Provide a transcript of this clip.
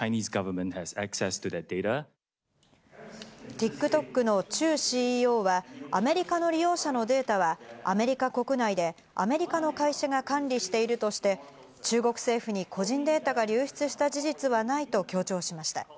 ＴｉｋＴｏｋのチュウＣＥＯは、アメリカの利用者のデータはアメリカ国内でアメリカの会社が管理しているとして、中国政府に個人データが流出した事実はないと強調しました。